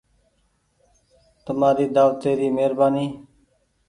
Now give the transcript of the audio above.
تمآري دآوتي ري مهربآني ۔